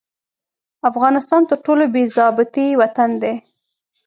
افغانستان تر ټولو بې ضابطې وطن دي.